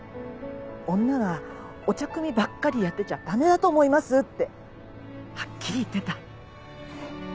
「女がお茶くみばっかりやってちゃダメだと思います」ってはっきり言ってた。